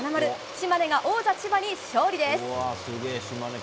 島根が王者・千葉に勝利です。